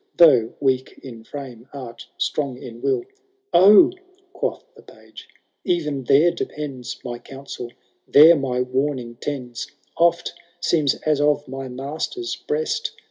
Though weak in frame, art strong in will.— Oh I quoth the page, ^ even there depends My counsel— there my warning tends — Oft seems as of my master^i breast